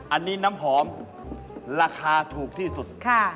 อันนี้น้ำหอมราคาถูกที่สุด